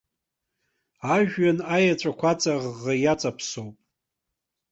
Ажәҩан аеҵәақәа аҵаӷӷа иаҵаԥсоуп.